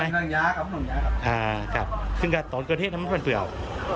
งั้นยาก็ครึ่งอ่านสอบสิตอนเตยเป็นแบบเปลี่ยว